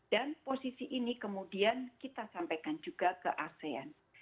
dan posisi ini kemudian kita sampaikan juga ke asean